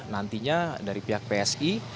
nantinya dari pihak psi